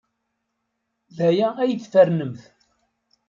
D aya ay tfernemt.